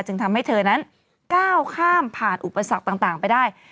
ทำให้เธอนั้นก้าวข้ามผ่านอุปสรรคต่างไปได้